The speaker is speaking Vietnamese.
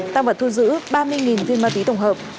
tăng vật thu giữ ba mươi viên ma túy tổng hợp